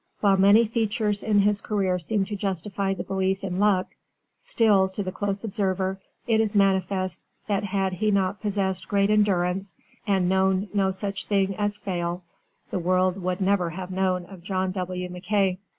While many features in his career seem to justify the belief in "luck," still, to the close observer, it is manifest that had he not possessed great endurance, and known no such thing as fail, the world would never have known of John W. MacKay.